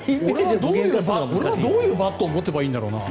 俺はどういうバットを持てばいいんだろうな。